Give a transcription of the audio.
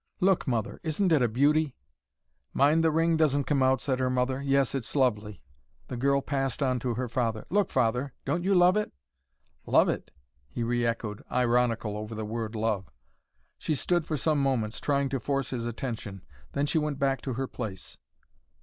"Look, Mother, isn't it a beauty?" "Mind the ring doesn't come out," said her mother. "Yes, it's lovely!" The girl passed on to her father. "Look, Father, don't you love it!" "Love it?" he re echoed, ironical over the word love. She stood for some moments, trying to force his attention. Then she went back to her place.